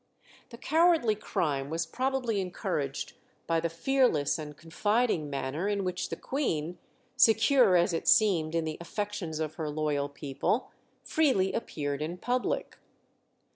The cowardly crime was probably encouraged by the fearless and confiding manner in which the Queen, secure as it seemed in the affections of her loyal people, freely appeared in public.